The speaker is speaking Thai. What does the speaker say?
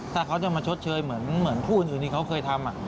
ถ้าเขาจะมาชดเชยเหมือนคู่อื่นที่เขาเคยทำ